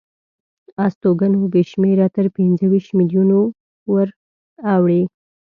استوګنو یې شمېره تر پنځه ویشت میلیونو وراوړي.